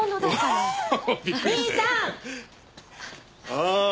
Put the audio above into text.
ああ！